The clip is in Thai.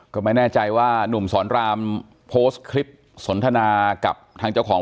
ก็ไม่แน่ใจว่านุ่มสอนรามโพสต์คลิปสนทนากับทางเจ้าของ